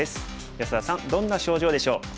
安田さんどんな症状でしょう？